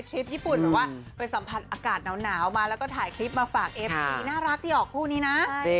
ที่ออกคู่นี้นะจริงค่ะใช่ค่ะ